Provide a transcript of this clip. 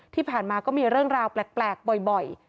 ที่ผ่านมาก็มีเรื่องราวแปลกบ่อย